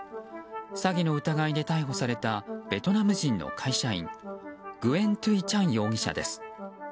詐欺の疑いで逮捕されたベトナム人の会社員グエン・トゥイ・チャン容疑者です。